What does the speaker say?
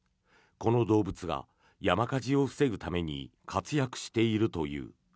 この動物が山火事を防ぐために活躍しているという。